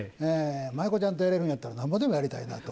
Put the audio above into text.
舞妓ちゃんとやれるんだったらなんぼでもやりたいなと。